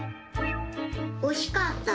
おしかった。